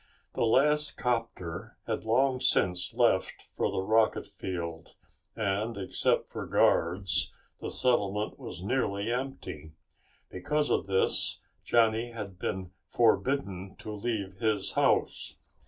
The last 'copter had long since left for the rocket field and, except for guards, the settlement was nearly empty. Because of this Johnny had been forbidden to leave his house.